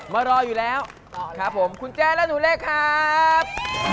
มารออยู่แล้วครับผมคุณแจ้และหนูเล็กครับ